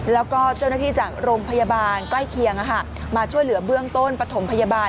แล้วก็เจ้าหน้าที่จากโรงพยาบาลใกล้เคียงมาช่วยเหลือเบื้องต้นปฐมพยาบาล